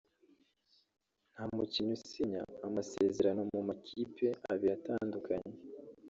nta mukinnyi usinya amasezerano mu makipe abiri atandukanye